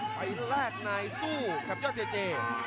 ไปแลกนายสู้กับยอดเจเจ